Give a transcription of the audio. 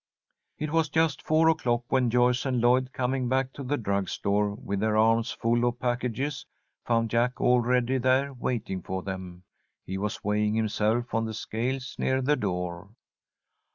It was just four o'clock when Joyce and Lloyd, coming back to the drug store with their arms full of packages, found Jack already there waiting for them. He was weighing himself on the scales near the door.